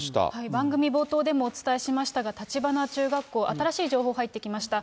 番組冒頭でもお伝えしましたが、立花中学校、新しい情報入ってきました。